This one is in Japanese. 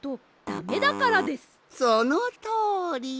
そのとおり。